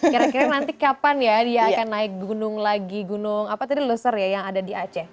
kira kira nanti kapan ya dia akan naik gunung lagi gunung apa tadi loser ya yang ada di aceh